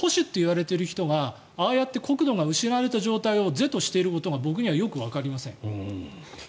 むしろ保守と言われている人がああやって国土が失われている状況を是としている意味がよくわかりません。